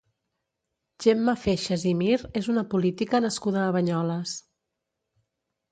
Gemma Feixas i Mir és una política nascuda a Banyoles.